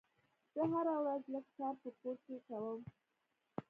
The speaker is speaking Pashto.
زه هره ورځ لږ کار په کور کې کوم.